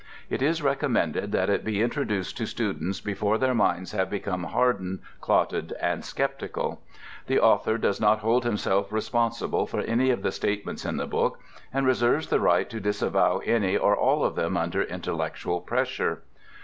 It is recommended that it be introduced to students before their minds have become hardened, clotted, and skeptical. The author does not hold himself responsible for any of the statements in the book, and reserves the right to disavow any or all of them under intellectual pressure.